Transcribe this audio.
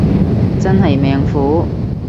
真係命苦